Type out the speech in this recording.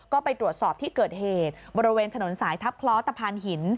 ก็ไปตรวจสอบที่เกิดเหตุบริเวณถนนสายทัพคล้อตะพานหิน